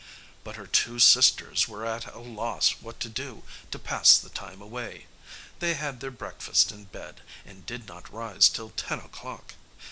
But her two sisters were at a loss what to do to pass the time away: they had their breakfast in bed, and did not rise till ten o'clock.